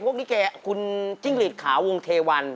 พวกนี้แกคุณจิ้งหลีดขาววงเทวัน